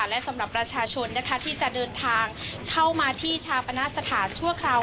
และสำหรับประชาชนนะคะที่จะเดินทางเข้ามาที่ชาปณะสถานชั่วคราว